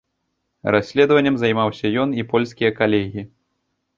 Расследаваннем займаўся ён і польскія калегі.